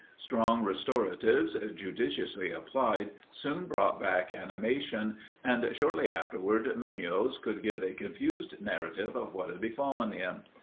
Strong restoratives, judiciously applied, soon brought back animation, and, shortly afterward, Munoz could give a confused narrative of what had befallen him.